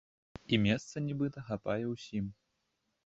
І месца, нібыта, хапае ўсім.